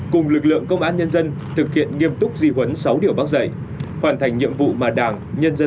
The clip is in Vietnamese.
cùng lực lượng công an nhân dân thực hiện nghiêm túc di huấn sáu điều bác dạy